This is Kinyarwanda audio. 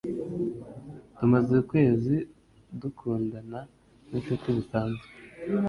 Tumaze ukwezi dukundana nkinshuti bisanzwe.